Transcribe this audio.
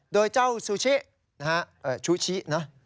โดยเจ้าซูชินะฮะชูชินะ